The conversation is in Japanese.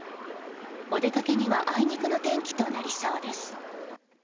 お出かけにはあいにくの天気となりそうです。